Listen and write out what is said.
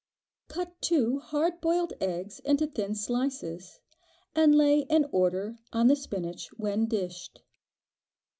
Cut two hard boiled eggs into thin slices, and lay in order on the spinach when dished.